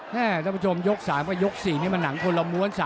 ท่านผู้ชมยก๓กับยก๔นี่มันหนังคนละม้วน